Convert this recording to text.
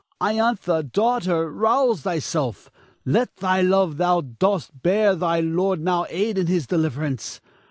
Iantha, daughter, rouse thyself; let the love thou dost bear thy lord now aid in his deliverance.